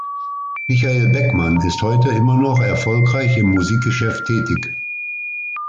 Michael Beckmann ist heute immer noch erfolgreich im Musikgeschäft tätig.